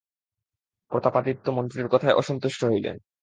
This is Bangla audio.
প্রতাপাদিত্য মন্ত্রীর কথায় অসন্তুষ্ট হইলেন।